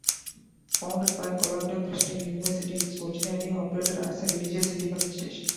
Founded by Colorado Christian University, it originally operated as a religious independent station.